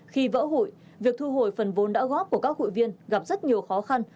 khi vỡ hụi việc thu hồi phần vốn đã góp của các hụi viên gặp rất nhiều khó khăn